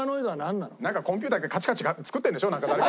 なんかコンピューターでカチカチ作ってるんでしょ誰か。